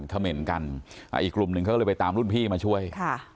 เขม่นกันอีกกลุ่มหนึ่งเขาก็เลยไปตามรุ่นพี่มาช่วย